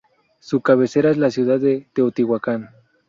Su cabecera es la ciudad de Teotihuacan.